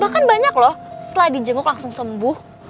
kan banyak loh setelah di jenguk langsung sembuh